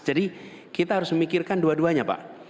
jadi kita harus memikirkan dua duanya pak